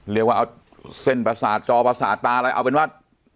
เรียกว่าเอาเส้นประสาทจอประสาทตาอะไรเอาเป็นว่า